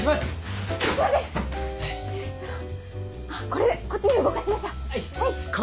これこっちに動かしましょう。